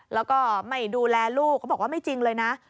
แล้วก็ไม่ดูแลลูกเขาบอกว่าไม่จริงเลยนะ